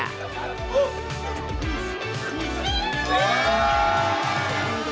kepala pertanian pertanian